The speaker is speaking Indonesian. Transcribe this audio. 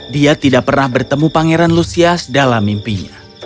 dia tidak pernah bertemu pangeran lusias dalam mimpinya